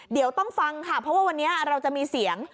เดี๋ยวต้องฟังค่ะเพราะว่าวันนี้เราจะมีเสียง